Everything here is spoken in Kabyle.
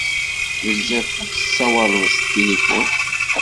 Bezzaf tsawaleḍ s tilifun.